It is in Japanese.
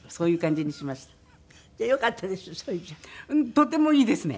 とてもいいですね。